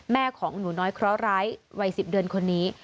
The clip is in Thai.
แม่ของหนูน้อยเคราะหร้ายวัย๑๐เดือนคนนี้